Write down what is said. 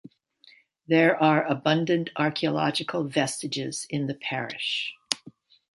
There are abundant archaeological vestiges in the parish.